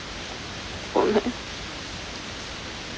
ごめん。